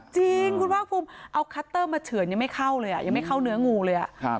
จริงคุณว่าเอาคัตเตอร์มาเฉื่อนยังไม่เข้าเลยอ่ะยังไม่เข้าเนื้องูเลยอ่ะ